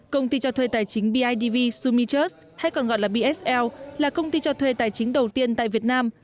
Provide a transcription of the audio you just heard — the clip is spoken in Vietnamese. công ty cho thuê tài chính bidv summitus hay còn gọi là bsl là công ty cho thuê tài chính đầu tiên tại việt nam